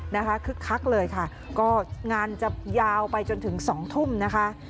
คึกคักเลยค่ะก็งานจะยาวไปจนถึงสองทุ่มนะคะ